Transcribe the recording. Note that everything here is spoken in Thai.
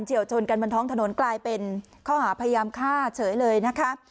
วชนกันบนท้องถนนกลายเป็นข้อหาพยายามฆ่าเฉยเลยนะคะ